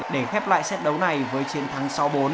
để khép lại xếp đấu này với chiến thắng sáu bốn